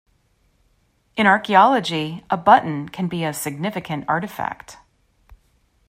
In archaeology, a button can be a significant artifact.